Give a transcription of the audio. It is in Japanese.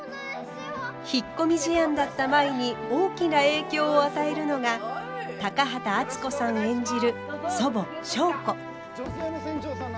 引っ込み思案だった舞に大きな影響を与えるのが高畑淳子さん演じる祖母祥子。